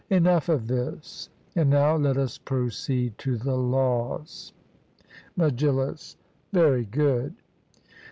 Enough of this; and now let us proceed to the laws. MEGILLUS: Very good.